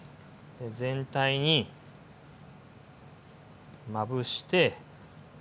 全体にまぶして。